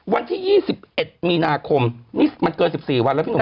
วันที่๒๑มีนาคมนี่มันเกิน๑๔วันแล้วพี่หนุ่ม